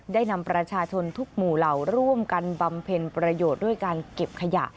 นำประชาชนทุกหมู่เหล่าร่วมกันบำเพ็ญประโยชน์ด้วยการเก็บขยะ